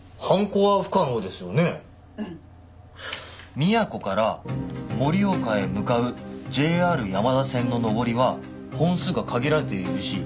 宮古から盛岡へ向かうＪＲ山田線の上りは本数が限られているし